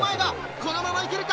このまま行けるか？